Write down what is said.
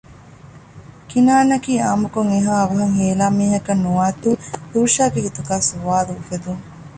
ކިނާންއަކީ އާންމުކޮށް އެހާ އަވަހަށް ހޭލާ މީހަކަށް ނުވާތީ ލޫޝާގެ ހިތުގައި ސުވާލު އުފެދުން